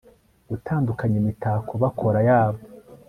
Gutandukanya imitako bakora yabo